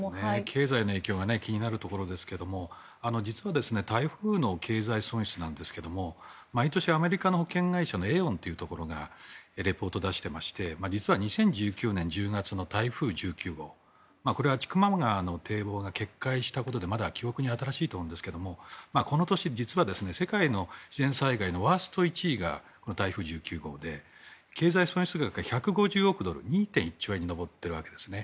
経済の影響が気になるところですけど実は台風の経済損失なんですが毎年アメリカの保険会社がリポートを出していまして２０１９年１０月の台風１９号これは千曲川の堤防が決壊したことが記憶に新しいと思いますがこの年、世界の自然災害のワースト１位が台風１９号で経済損失額は１５０億ドル２．１兆円に上っているわけですね。